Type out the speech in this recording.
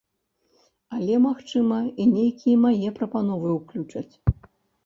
Але, магчыма, і нейкія мае прапановы ўключаць.